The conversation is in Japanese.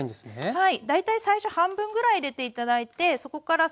はい。